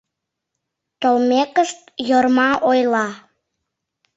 Толмекышт, Йорма ойла: